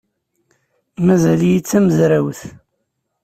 Mazal-iyi d tamezrawt.